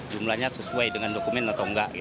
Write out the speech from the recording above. jumlahnya sesuai dengan dokumen atau enggak